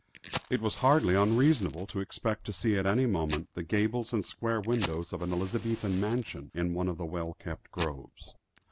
It was hardly unreasonable to expect to see at any moment, the gables and square windows of an Elizabethan mansion in one of the well kept groves.